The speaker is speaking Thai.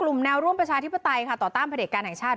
คุณสุลินบอกว่ามีความผูกพันกับคุณนักศิลป์ทำให้ดีใจมาก